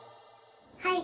はい！